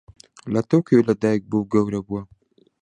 لە تۆکیۆ لەدایکبووە و گەورە بووە.